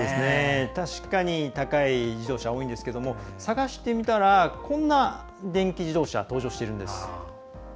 確かに高い自動車多いんですけれども探してみたら、こんな電気自動車登場しているんです。